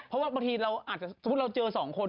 เพราะว่าบางทีเราเจอสองคน